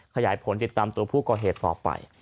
ขยายผลติดตามตัวผู้ก่อเหตุต่อไป